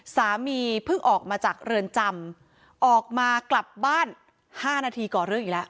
สามีเพิ่งออกมาจากเรือนจำออกมากลับบ้าน๕นาทีก่อเรื่องอีกแล้ว